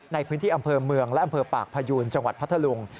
ในพื้นที่อำเภอเมืองและอำเภอปากพยูนจังหวัดพัทธลุง